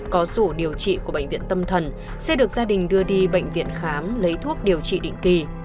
có sổ điều trị của bệnh viện tâm thần sẽ được gia đình đưa đi bệnh viện khám lấy thuốc điều trị định kỳ